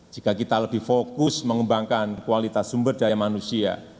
jika kita lebih fokus mengembangkan kualitas sumber daya manusia